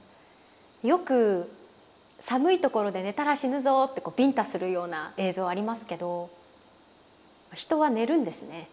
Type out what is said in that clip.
よく寒い所で寝たら死ぬぞってビンタするような映像ありますけど人は寝るんですね。